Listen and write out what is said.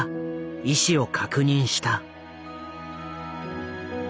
意志を確認した。